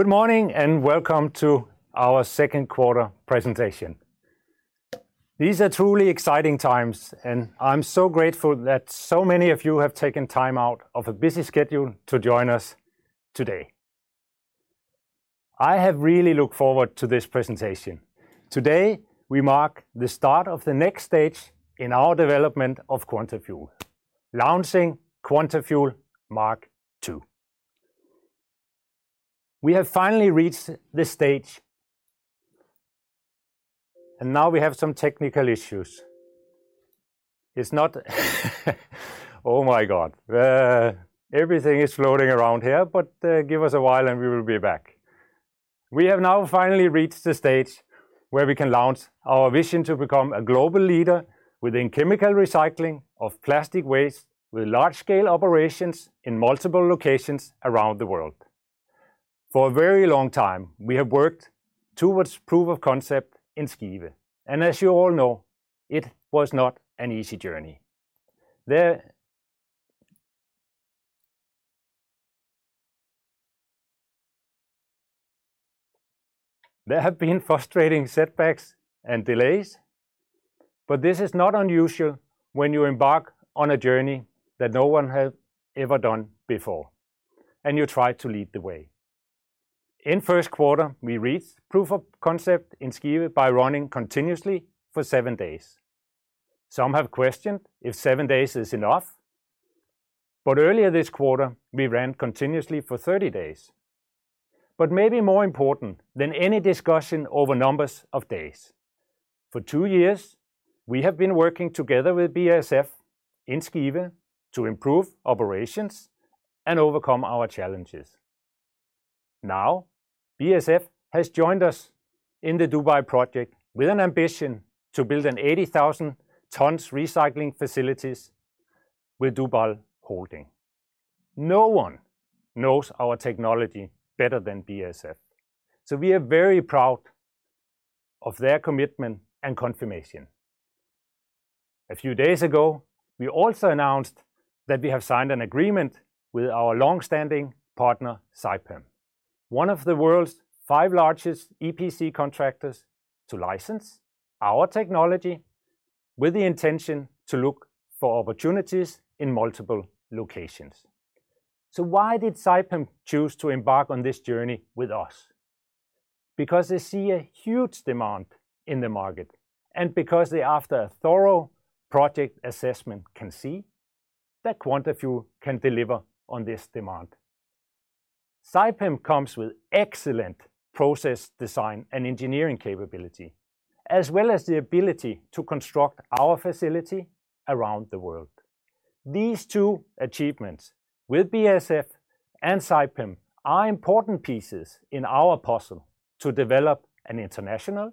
Good morning, and welcome to our Q2 presentation. These are truly exciting times, and I'm so grateful that so many of you have taken time out of a busy schedule to join us today. I have really looked forward to this presentation. Today, we mark the start of the next stage in our development of Quantafuel, launching Quantafuel Mark II. We have finally reached this stage. We have now finally reached the stage where we can launch our vision to become a global leader within chemical recycling of plastic waste, with large scale operations in multiple locations around the world. For a very long time, we have worked towards proof of concept in Skive, and as you all know, it was not an easy journey. There have been frustrating setbacks and delays, but this is not unusual when you embark on a journey that no one has ever done before, and you try to lead the way. In first quarter, we reached proof of concept in Skive by running continuously for 7 days. Some have questioned if 7 days is enough, but earlier this quarter, we ran continuously for 30 days. Maybe more important than any discussion over numbers of days, for 2 years, we have been working together with BASF in Skive to improve operations and overcome our challenges. Now, BASF has joined us in the Dubai project with an ambition to build an 80,000 tons recycling facilities with Dubal Holding. No one knows our technology better than BASF, so we are very proud of their commitment and confirmation. A few days ago, we also announced that we have signed an agreement with our long-standing partner, Saipem, one of the world's five largest EPC contractors, to license our technology with the intention to look for opportunities in multiple locations. Why did Saipem choose to embark on this journey with us? Because they see a huge demand in the market, and because they, after a thorough project assessment, can see that Quantafuel can deliver on this demand. Saipem comes with excellent process design and engineering capability, as well as the ability to construct our facility around the world. These two achievements with BASF and Saipem are important pieces in our puzzle to develop an international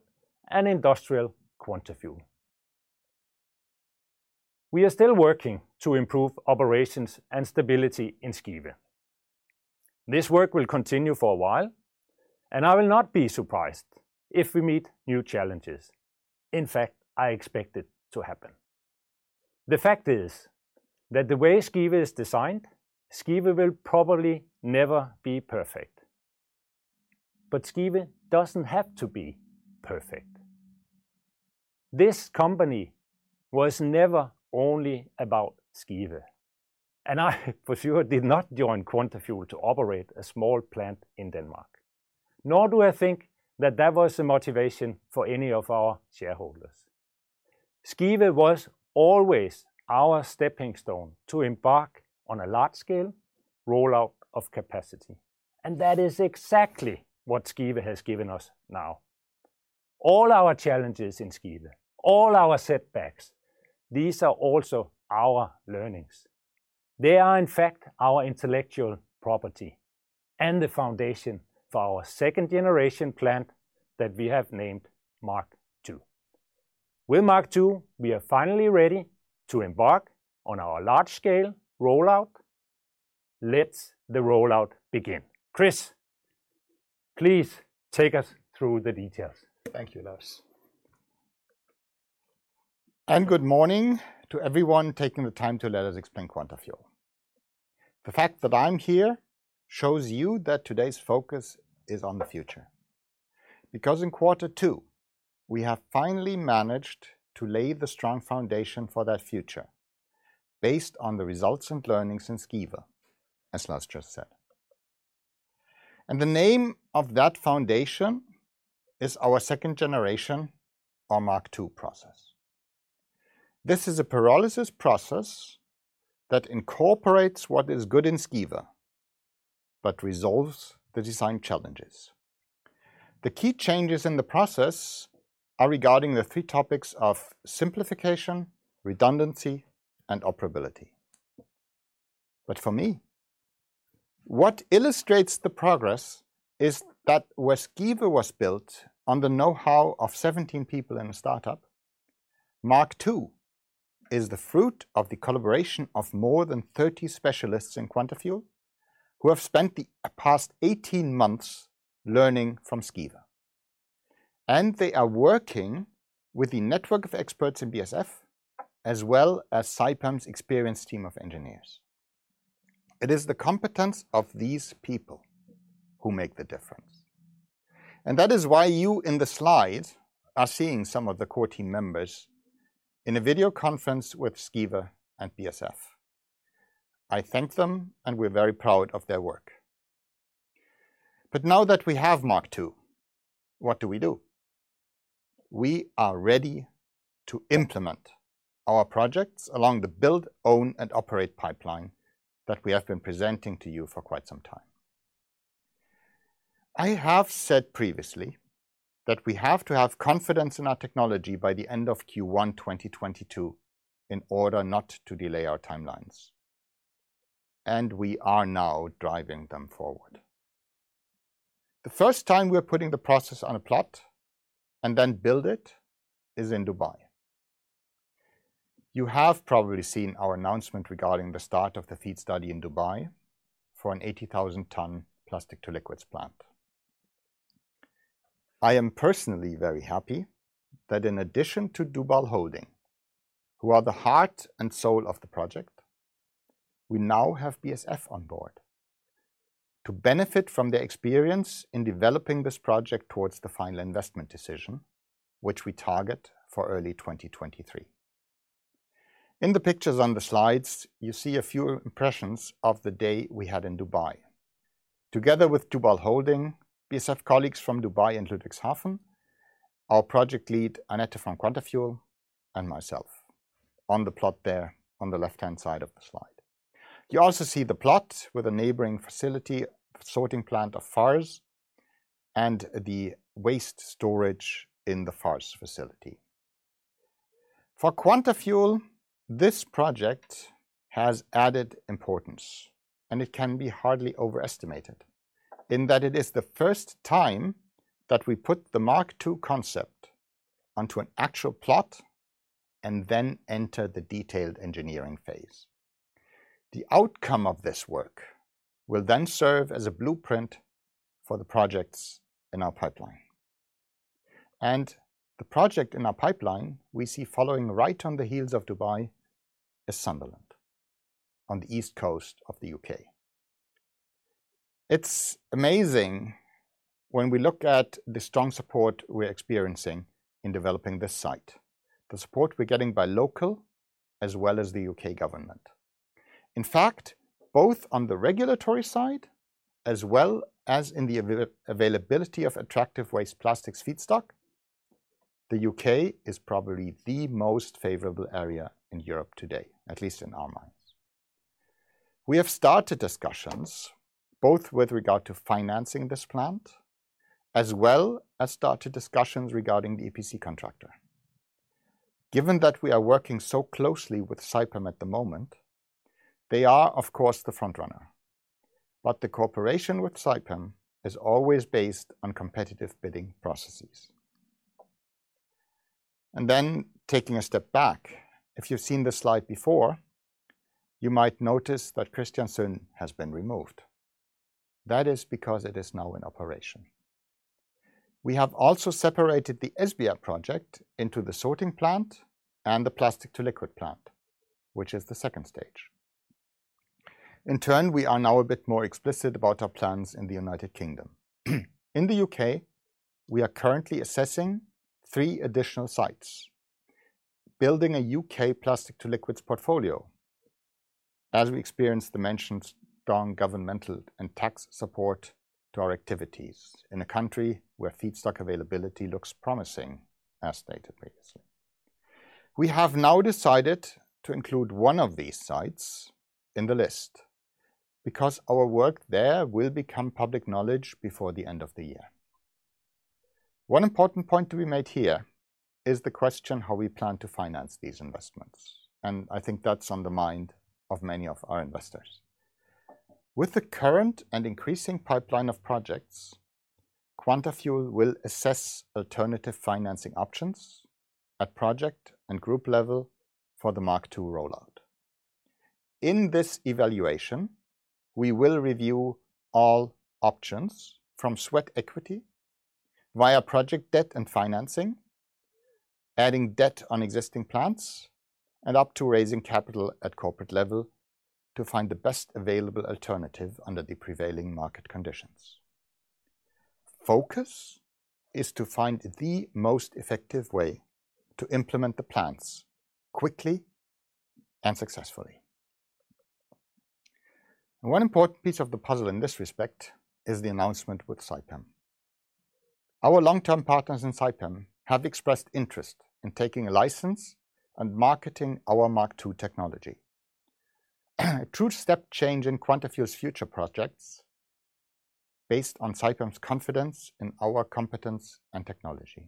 and industrial Quantafuel. We are still working to improve operations and stability in Skive. This work will continue for a while, and I will not be surprised if we meet new challenges. In fact, I expect it to happen. The fact is that the way Skive is designed, Skive will probably never be perfect. Skive doesn't have to be perfect. This company was never only about Skive, and I for sure did not join Quantafuel to operate a small plant in Denmark, nor do I think that that was a motivation for any of our shareholders. Skive was always our stepping stone to embark on a large scale rollout of capacity, and that is exactly what Skive has given us now. All our challenges in Skive, all our setbacks, these are also our learnings. They are, in fact, our intellectual property and the foundation for our second-generation plant that we have named Mark II. With Mk II, we are finally ready to embark on our large scale rollout. Let the rollout begin. Chris, please take us through the details. Thank you, Lars. Good morning to everyone taking the time to let us explain Quantafuel. The fact that I'm here shows you that today's focus is on the future because in quarter two, we have finally managed to lay the strong foundation for that future based on the results and learnings in Skive, as Lars just said. The name of that foundation is our second generation, our Mark II process. This is a pyrolysis process that incorporates what is good in Skive but resolves the design challenges. The key changes in the process are regarding the three topics of simplification, redundancy, and operability. For me, what illustrates the progress is that where Skive was built on the know-how of 17 people in a startup, Mark II is the fruit of the collaboration of more than 30 specialists in Quantafuel who have spent the past 18 months learning from Skive. They are working with the network of experts in BASF as well as Saipem's experienced team of engineers. It is the competence of these people who make the difference, and that is why, on the slide, you are seeing some of the core team members in a video conference with Skive and BASF. I thank them, and we're very proud of their work. Now that we have Mark II, what do we do? We are ready to implement our projects along the Build-Own-Operate pipeline that we have been presenting to you for quite some time. I have said previously that we have to have confidence in our technology by the end of Q1 2022 in order not to delay our timelines, and we are now driving them forward. The first time we're putting the process on a plot and then build it is in Dubai. You have probably seen our announcement regarding the start of the FEED study in Dubai for an 80,000-ton Plastics-to-Liquids plant. I am personally very happy that in addition to Dubal Holding, who are the heart and soul of the project, we now have BASF on board to benefit from their experience in developing this project towards the final investment decision, which we target for early 2023. In the pictures on the slides, you see a few impressions of the day we had in Dubai. Together with Dubal Holding, BASF colleagues from Dubai and Ludwigshafen, our project lead, Annette from Quantafuel, and myself on the plot there on the left-hand side of the slide. You also see the plot with a neighboring facility sorting plant of Farz and the waste storage in the Farz's facility. For Quantafuel, this project has added importance, and it can be hardly overestimated in that it is the first time that we put the Mark II concept onto an actual plot and then enter the detailed engineering phase. The outcome of this work will then serve as a blueprint for the projects in our pipeline. The project in our pipeline we see following right on the heels of Dubai is Sunderland on the east coast of the UK. It's amazing when we look at the strong support we're experiencing in developing this site. The support we're getting by local as well as the U.K. government. In fact, both on the regulatory side as well as in the availability of attractive waste plastics feedstock, the U.K. is probably the most favorable area in Europe today, at least in our minds. We have started discussions both with regard to financing this plant, as well as started discussions regarding the EPC contractor. Given that we are working so closely with Saipem at the moment, they are of course the front runner. The cooperation with Saipem is always based on competitive bidding processes. Taking a step back, if you've seen the slide before, you might notice that Kristiansund has been removed. That is because it is now in operation. We have also separated the Esbjerg project into the sorting plant and the plastic-to-liquid plant, which is the second stage. In turn, we are now a bit more explicit about our plans in the United Kingdom. In the U.K., we are currently assessing three additional sites, building a U.K. Plastics-to-Liquids portfolio as we experience the mentioned strong governmental and tax support to our activities in a country where feedstock availability looks promising, as stated previously. We have now decided to include one of these sites in the list because our work there will become public knowledge before the end of the year. One important point to be made here is the question how we plan to finance these investments, and I think that's on the mind of many of our investors. With the current and increasing pipeline of projects, Quantafuel will assess alternative financing options at project and group level for the Mark II rollout. In this evaluation, we will review all options from sweat equity via project debt and financing, adding debt on existing plants, and up to raising capital at corporate level to find the best available alternative under the prevailing market conditions. Focus is to find the most effective way to implement the plans quickly and successfully. One important piece of the puzzle in this respect is the announcement with Saipem. Our long-term partners in Saipem have expressed interest in taking a license and marketing our Mark II technology. True step change in Quantafuel's future projects based on Saipem's confidence in our competence and technology.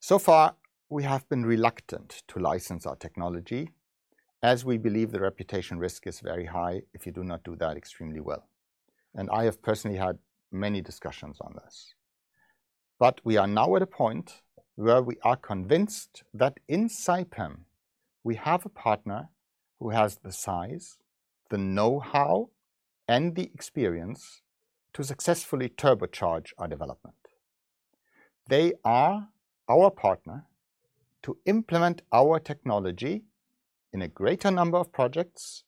So far, we have been reluctant to license our technology, as we believe the reputation risk is very high if you do not do that extremely well, and I have personally had many discussions on this. We are now at a point where we are convinced that in Saipem we have a partner who has the size, the know-how, and the experience to successfully turbocharge our development. They are our partner to implement our technology in a greater number of projects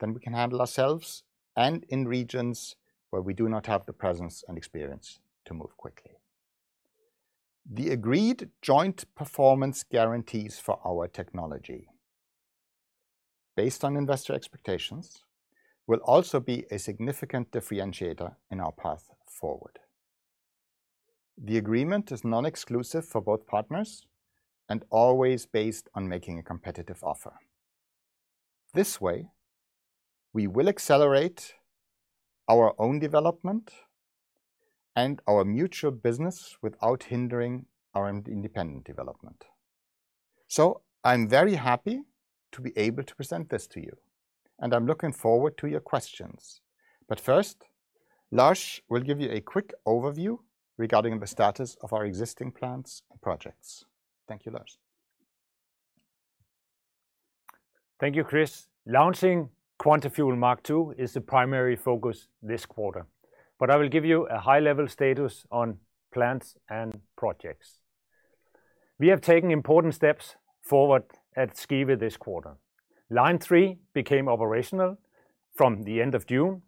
than we can handle ourselves, and in regions where we do not have the presence and experience to move quickly. The agreed joint performance guarantees for our technology based on investor expectations will also be a significant differentiator in our path forward. The agreement is non-exclusive for both partners and always based on making a competitive offer. This way, we will accelerate our own development and our mutual business without hindering our independent development. I'm very happy to be able to present this to you, and I'm looking forward to your questions. First, Lars will give you a quick overview regarding the status of our existing plants and projects. Thank you, Lars. Thank you, Chris. Launching Quantafuel Mark Two is the primary focus this quarter, but I will give you a high-level status on plants and projects. We have taken important steps forward at Skive this quarter. Line 3 became operational from the end of June,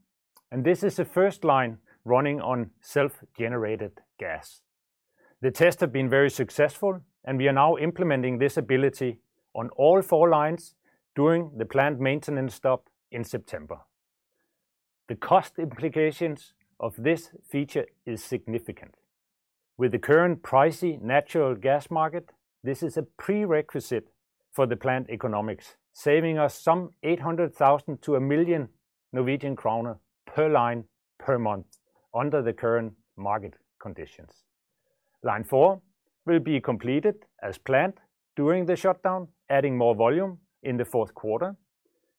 and this is the first line running on self-generated gas. The tests have been very successful, and we are now implementing this ability on all 4 lines during the plant maintenance stop in September. The cost implications of this feature is significant. With the current pricey natural gas market, this is a prerequisite for the plant economics, saving us some 800,000-1 million Norwegian kroner per line per month under the current market conditions. Line 4 will be completed as planned during the shutdown, adding more volume in the fourth quarter,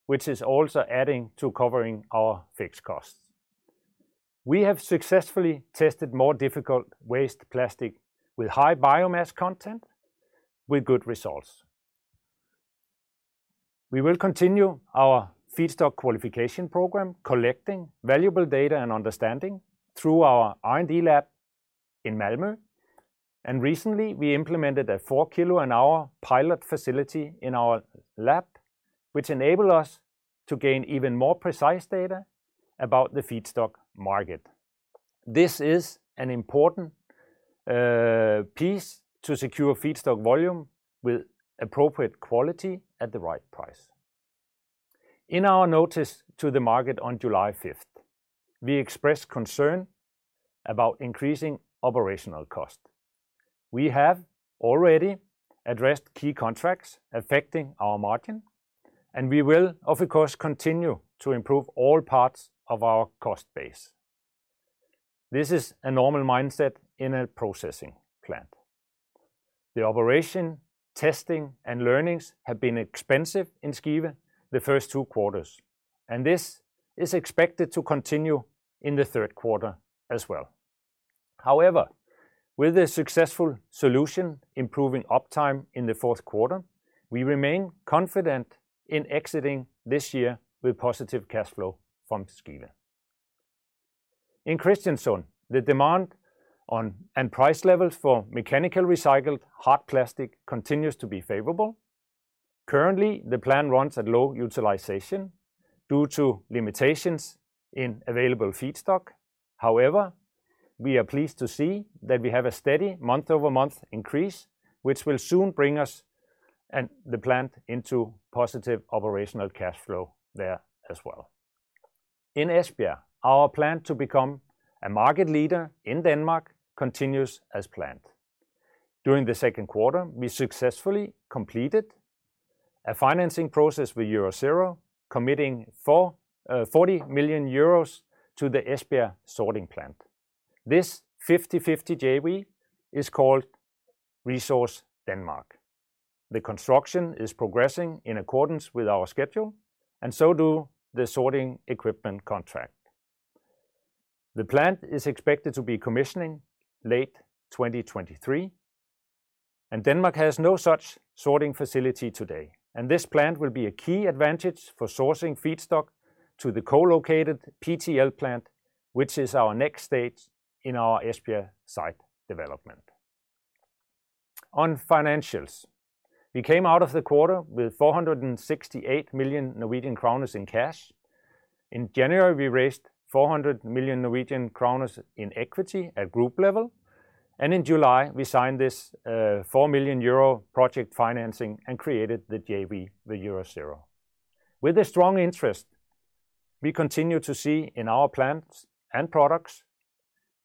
which is also adding to covering our fixed costs. We have successfully tested more difficult waste plastic with high biomass content with good results. We will continue our feedstock qualification program, collecting valuable data and understanding through our R&D lab in Malmö. Recently, we implemented a 4-kg-per-hour pilot facility in our lab, which enable us to gain even more precise data about the feedstock market. This is an important piece to secure feedstock volume with appropriate quality at the right price. In our notice to the market on July fifth, we expressed concern about increasing operational cost. We have already addressed key contracts affecting our margin, and we will, of course, continue to improve all parts of our cost base. This is a normal mindset in a processing plant. The operation, testing, and learnings have been expensive in Skive the first two quarters, and this is expected to continue in the third quarter as well. However, with the successful solution improving uptime in the fourth quarter, we remain confident in exiting this year with positive cash flow from Skive. In Kristiansund, the demand on, and price levels for mechanical recycled hard plastic continues to be favorable. Currently, the plant runs at low utilization due to limitations in available feedstock. However, we are pleased to see that we have a steady month-over-month increase, which will soon bring us and the plant into positive operational cash flow there as well. In Esbjerg, our plan to become a market leader in Denmark continues as planned. During the Q2, we successfully completed a financing process with Eurazeo, committing 40 million euros to the Esbjerg sorting plant. This 50/50 JV is called ReSource Denmark. The construction is progressing in accordance with our schedule, and so do the sorting equipment contract. The plant is expected to be commissioning late 2023, and Denmark has no such sorting facility today. This plant will be a key advantage for sourcing feedstock to the co-located PTL plant, which is our next stage in our Esbjerg site development. On financials, we came out of the quarter with 468 million Norwegian kroner in cash. In January, we raised 400 million Norwegian kroner in equity at group level. In July, we signed this 4 million euro project financing and created the JV with Eurazeo. With the strong interest we continue to see in our plants and products,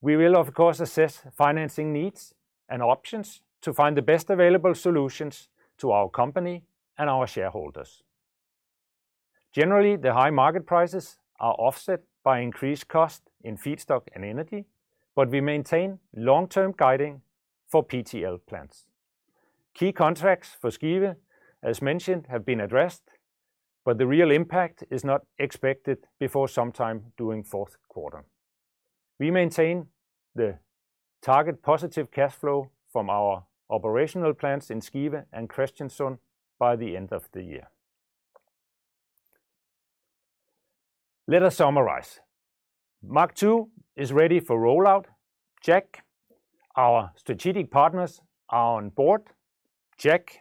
we will of course assess financing needs and options to find the best available solutions to our company and our shareholders. Generally, the high market prices are offset by increased cost in feedstock and energy, but we maintain long-term guiding for PTL plants. Key contracts for Skive, as mentioned, have been addressed, but the real impact is not expected before sometime during fourth quarter. We maintain the target positive cash flow from our operational plans in Skive and Kristiansund by the end of the year. Let us summarize. Mark II is ready for rollout. Check. Our strategic partners are on board. Check.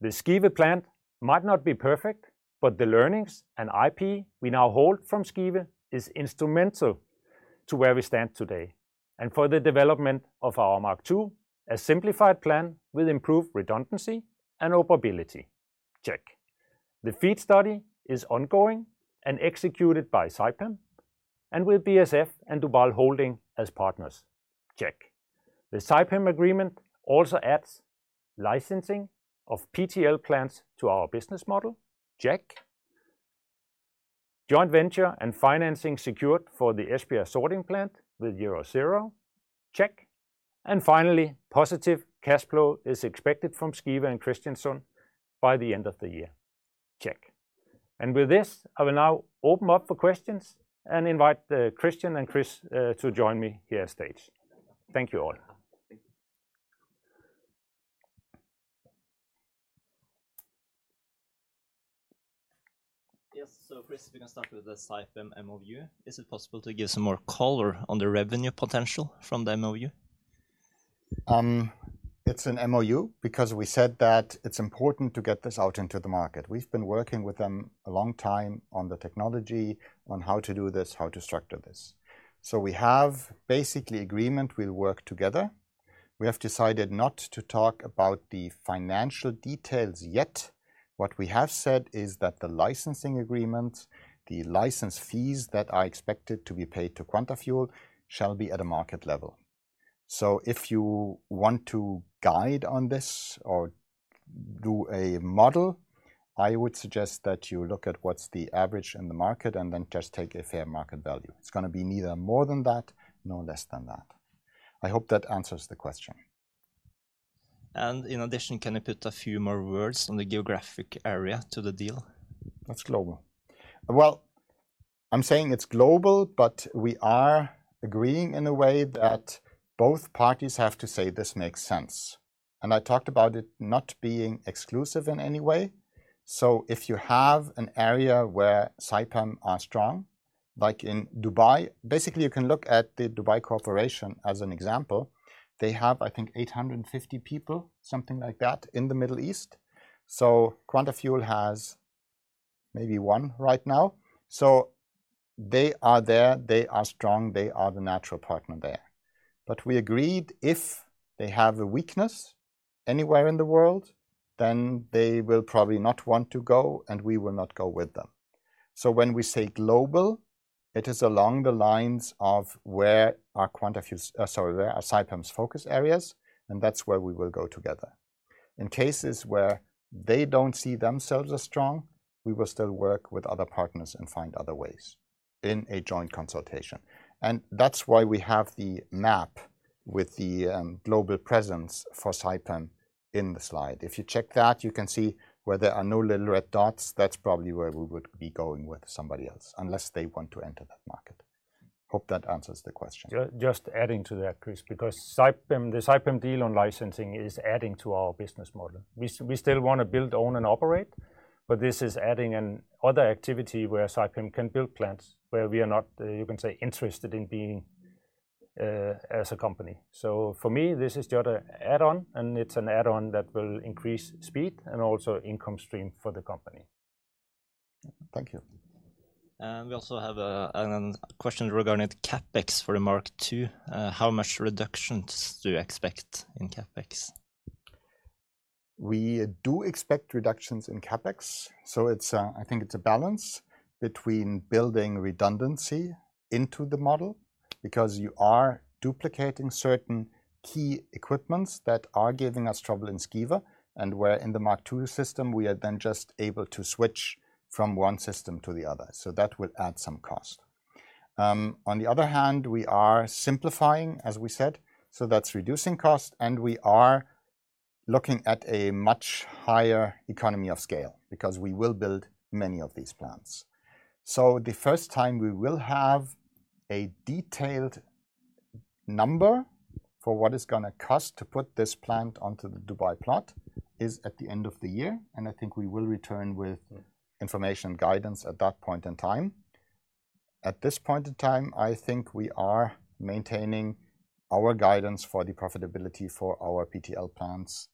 The Skive plant might not be perfect, but the learnings and IP we now hold from Skive is instrumental to where we stand today and for the development of our Mark II, a simplified plan with improved redundancy and operability. Check. The FEED study is ongoing and executed by Saipem, and with BASF and Dubal Holding as partners. Check. The Saipem agreement also adds licensing of PTL plants to our business model. Check. Joint venture and financing secured for the Esbjerg sorting plant with Eurazeo. Check. Finally, positive cash flow is expected from Skive and Kristiansund by the end of the year. Check. With this, I will now open up for questions and invite Christian and Chris to join me here stage. Thank you all. Yes. Chris, we can start with the Saipem MoU. Is it possible to give some more color on the revenue potential from the MoU? It's an MoU because we said that it's important to get this out into the market. We've been working with them a long time on the technology, on how to do this, how to structure this. We have basically agreement we'll work together. We have decided not to talk about the financial details yet. What we have said is that the licensing agreements, the license fees that are expected to be paid to Quantafuel shall be at a market level. If you want to guide on this or do a model, I would suggest that you look at what's the average in the market and then just take a fair market value. It's gonna be neither more than that nor less than that. I hope that answers the question. In addition, can you put a few more words on the geographic area to the deal? That's global. Well, I'm saying it's global, but we are agreeing in a way that both parties have to say this makes sense. I talked about it not being exclusive in any way. If you have an area where Saipem are strong, like in Dubai. Basically, you can look at the Dubal Holding as an example. They have, I think, 850 people, something like that, in the Middle East. Quantafuel has maybe one right now. They are there, they are strong, they are the natural partner there. We agreed if they have a weakness anywhere in the world, then they will probably not want to go, and we will not go with them. When we say global, it is along the lines of where are Saipem's focus areas, and that's where we will go together. In cases where they don't see themselves as strong, we will still work with other partners and find other ways in a joint consultation. That's why we have the map with the global presence for Saipem in the slide. If you check that, you can see where there are no little red dots, that's probably where we would be going with somebody else, unless they want to enter that market. Hope that answers the question. Just adding to that, Chris, because Saipem, the Saipem deal on licensing is adding to our business model. We still wanna build, own, and operate, but this is adding another activity where Saipem can build plants where we are not, you can say, interested in being as a company. For me, this is the other add-on, and it's an add-on that will increase speed and also income stream for the company. Thank you. We also have a question regarding the CapEx for the Mark II. How much reductions do you expect in CapEx? We do expect reductions in CapEx, so it's, I think it's a balance between building redundancy into the model because you are duplicating certain key equipments that are giving us trouble in Skive, and where in the Mark II system we are then just able to switch from one system to the other. That will add some cost. On the other hand, we are simplifying, as we said, so that's reducing cost, and we are looking at a much higher economy of scale because we will build many of these plants. The first time we will have a detailed number for what it's gonna cost to put this plant onto the Dubai plot is at the end of the year, and I think we will return with information guidance at that point in time. At this point in time, I think we are maintaining our guidance for the profitability for our PTL plants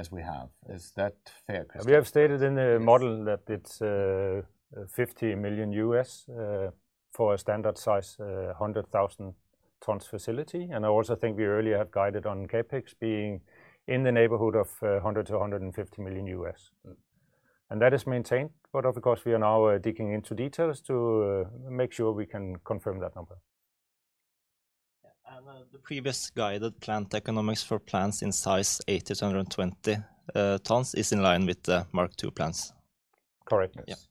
as we have. Is that fair, Christian? We have stated in the model that it's $50 million for a standard size 100,000 tons facility. I also think we earlier have guided on CapEx being in the neighborhood of $100 million-$150 million. Mm-hmm. That is maintained. Of course, we are now digging into details to make sure we can confirm that number. The previously guided plant economics for plants in size 80-120 tons is in line with the Mark II plans? Correct. Yes.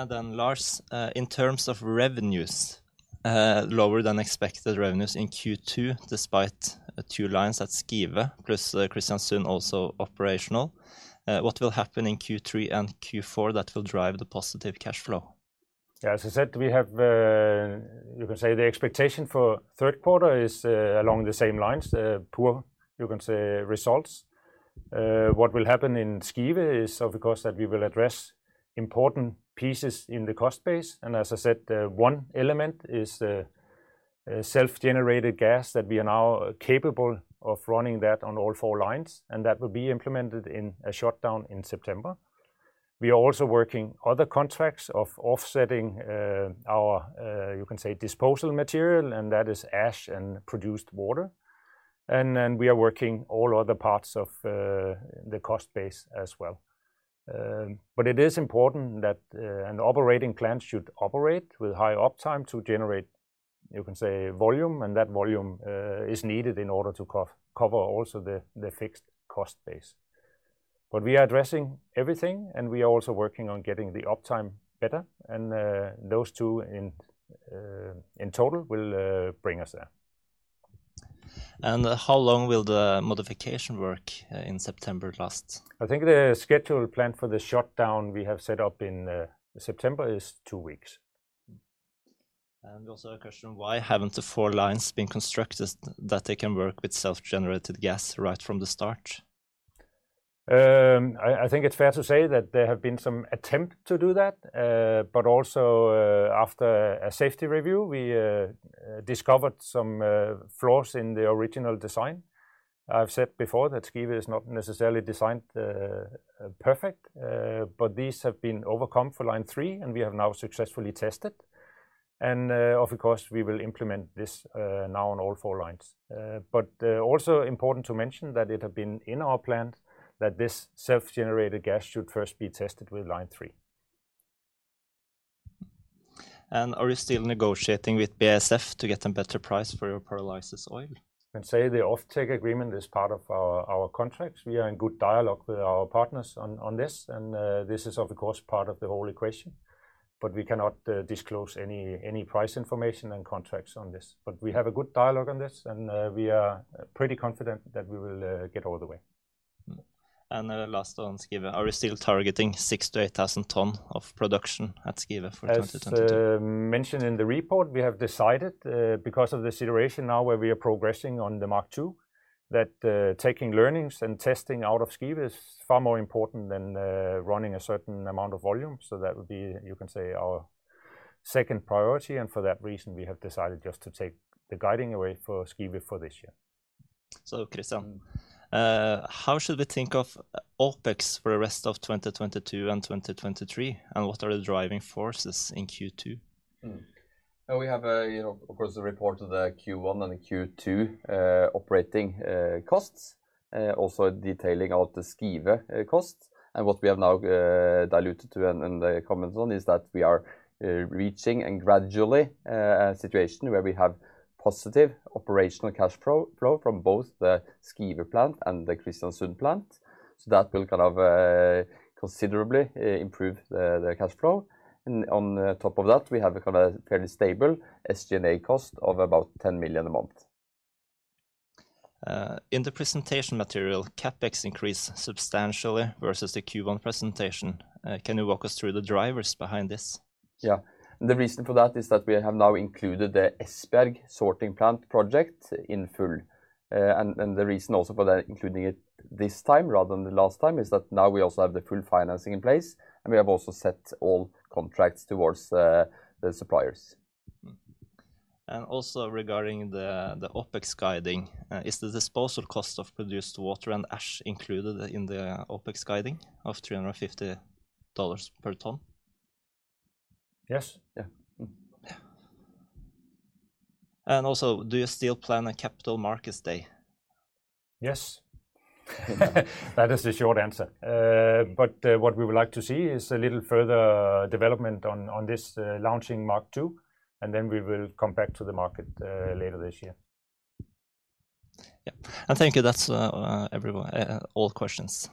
Lars, in terms of revenues. Lower than expected revenues in Q2 despite 2 lines at Skive plus Kristiansund also operational. What will happen in Q3 and Q4 that will drive the positive cash flow? As I said, we have, you can say the expectation for third quarter is, along the same lines, poor you can say results. What will happen in Skive is of course, that we will address important pieces in the cost base and as I said, one element is the, self generated gas that we are now capable of running that on all four lines and that will be implemented in a shutdown in September. We are also working other contracts of offsetting, our, you can say disposal material and that is ash and produced water. We are working all other parts of the cost base as well. It is important that an operating plant should operate with high uptime to generate you can say volume, and that volume is needed in order to cover also the fixed cost base. We are addressing everything and we are also working on getting the uptime better and those two in total will bring us there. How long will the modification work in last September? I think the schedule plan for the shutdown we have set up in September is two weeks. Also a question, why haven't the four lines been constructed that they can work with self-generated gas right from the start? I think it's fair to say that there have been some attempt to do that. But also, after a safety review, we discovered some flaws in the original design. I've said before that Skive is not necessarily designed perfect, but these have been overcome for line three and we have now successfully tested. Of course, we will implement this now on all four lines. Also important to mention that it had been in our plan that this self-generated gas should first be tested with line three. Are you still negotiating with BASF to get a better price for your pyrolysis oil? You can say the offtake agreement is part of our contracts. We are in good dialogue with our partners on this. This is of course part of the whole equation, but we cannot disclose any price information and contracts on this. We have a good dialogue on this, and we are pretty confident that we will get all the way. The last on Skive. Are we still targeting 6,000-8,000 tons of production at Skive for 2022? As mentioned in the report, we have decided, because of the situation now where we are progressing on the Mark II, that, taking learnings and testing out of Skive is far more important than, running a certain amount of volume. That would be, you can say our second priority. For that reason we have decided just to take the guidance away for Skive for this year. How should we think of OpEx for the rest of 2022 and 2023, and what are the driving forces in Q2? We have, you know, of course the report of the Q1 and Q2 operating costs, also detailing out the Skive costs. What we have now alluded to and the comments on is that we are reaching gradually a situation where we have positive operational cash flow from both the Skive plant and the Kristiansund plant. That will kind of considerably improve the cash flow. On top of that we have a kind of fairly stable SG&A cost of about 10 million a month. In the presentation material, CapEx increased substantially versus the Q1 presentation. Can you walk us through the drivers behind this? Yeah. The reason for that is that we have now included the Esbjerg sorting plant project in full. The reason also for that including it this time rather than the last time is that now we also have the full financing in place and we have also set all contracts towards the suppliers. Regarding the OpEx guiding, is the disposal cost of produced water and ash included in the OpEx guiding of $350 per ton? Yes. Yeah. Mm. Yeah. Do you still plan a capital markets day? Yes. That is the short answer. What we would like to see is a little further development on this launching Mark II, and then we will come back to the market later this year. Yeah. Thank you. That's all questions.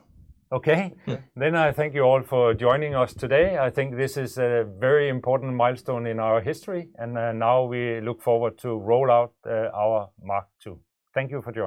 Okay. Yeah. I thank you all for joining us today. I think this is a very important milestone in our history, and now we look forward to roll out our Mark II. Thank you for joining.